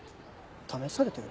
試されてる？